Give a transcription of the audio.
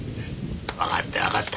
わかったわかった。